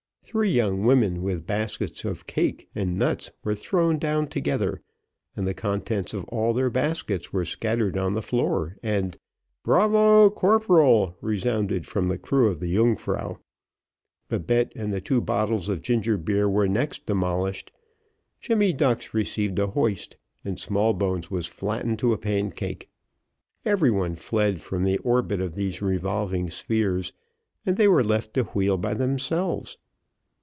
Three young women, with baskets of cakes and nuts, were thrown down together, and the contents of all their baskets scattered on the floor; and "Bravo, corporal!" resounded from the crew of the Yungfrau Babette and two bottles of ginger beer were next demolished; Jemmy Ducks received a hoist, and Smallbones was flatted to a pancake. Every one fled from the orbit of these revolving spheres, and they were left to wheel by themselves.